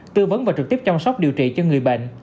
tư vấn và trực tiếp chăm sóc điều trị cho người bệnh